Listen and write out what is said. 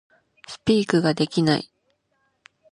Speak ができない